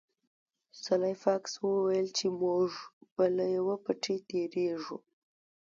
سلای فاکس وویل چې موږ به له یوه پټي تیریږو